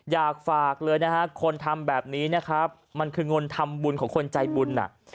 อยากฝากเลยนะฮะคนทำแบบนี้นะครับมันคือเงินทำบุญของคนใจบุญอ่ะ